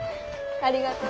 ありがとう。